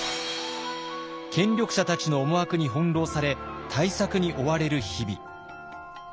権力者たちの思惑に翻弄され対策に追われる日々。